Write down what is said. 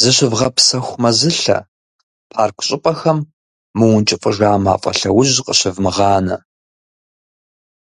Зыщывгъэпсэху мэзылъэ, парк щӀыпӀэхэм мыункӀыфӀыжа мафӀэ лъэужь къыщывмыгъанэ.